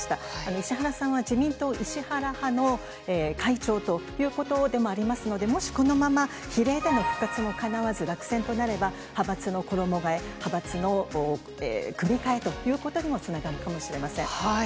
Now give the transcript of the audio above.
石原さんは自民党石原派の会長ということでもありますので、もしこのまま比例での復活もかなわず落選となれば、派閥の衣がえ、派閥の組み換えということにもつながるかもしれません。